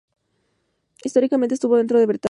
Históricamente estuvo dentro de Bretaña.